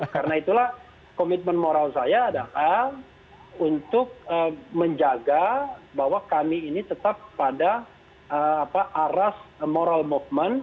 karena itulah komitmen moral saya adalah untuk menjaga bahwa kami ini tetap pada aras moral movement